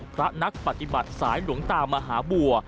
พระนักปฏิบัติสายหลวงตามหาบัว